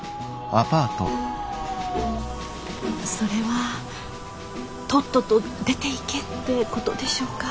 それはとっとと出ていけってことでしょうか。